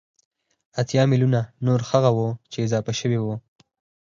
اتيا ميليونه نور هغه وو چې اضافه شوي وو